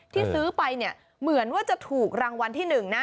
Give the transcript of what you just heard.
ที่ซื้อไปเหมือนว่าจะถูกรางวัลที่หนึ่งนะ